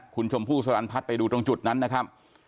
คนชมผู้สลันพัดไปดูตรงจุดนั้นนะครับ